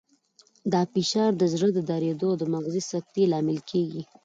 دا فشار د زړه د دریدو او مغزي سکتې لامل کېږي.